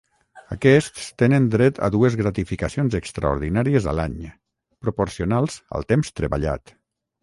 Aquests tenen dret a dues gratificacions extraordinàries a l'any, proporcionals al temps treballat.